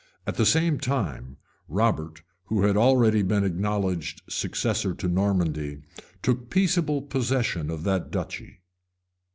At the same time, Robert, who had been already acknowledged successor to Normandy, took peaceable possession of that duchy.